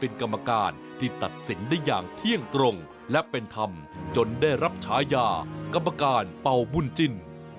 เป็นกรรมการที่ตัดสินได้อย่างเที่ยงตรงและเป็นธรรมจนได้รับฉายากรรมการเป่าบุญจิ้น